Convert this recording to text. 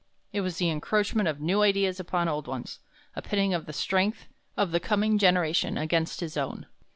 It was the encroachment of new ideas upon old ones a pitting of the strength of the coming generation against his own.